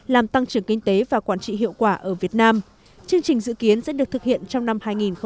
làm tăng trưởng kinh tế và quản trị hiệu quả ở việt nam chương trình dự kiến sẽ được thực hiện trong năm hai nghìn hai mươi